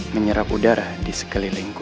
menyerap udara di sekelilingku